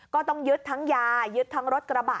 ก็ต้องยึดทั้งยายึดทั้งรถกระบะ